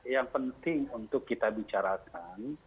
yang penting untuk kita bicarakan